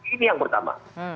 ini yang pertama